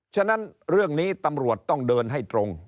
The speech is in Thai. ฉะนั้นเรื่องนี้ตำรวจต้องเดินให้ตรง